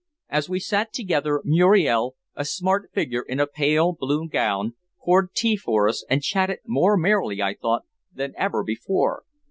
As we sat together Muriel, a smart figure in a pale blue gown, poured tea for us and chatted more merrily, I thought, than ever before.